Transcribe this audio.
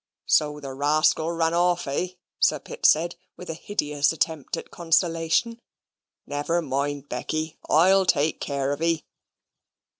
"So the rascal ran off, eh?" Sir Pitt said, with a hideous attempt at consolation. "Never mind, Becky, I'LL take care of 'ee."